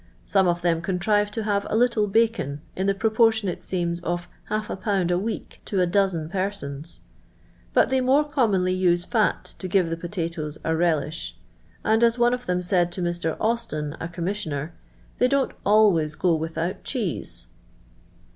Some of them contrive to have a little bacon, in the proportion, it st'cms, of holf a jiound a ^nck to a doztn per .'".'.■', but they more commonly use fat to give tlio potatoes a relish : and, as one of them said to r»Ir. Austin (a commissioner), they don't aff avf eo without thcpse."